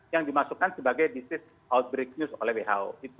yang dimasukkan sebagai disease outbreak news oleh who